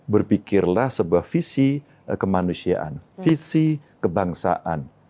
berpikirlah sebuah visi kemanusiaan visi kebangsaan